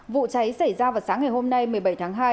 vụ cháy xảy ra vào sáng ngày hôm nay một mươi bảy tháng hai